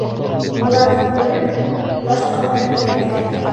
Быларҙы күреп, башҡалар эйәргән.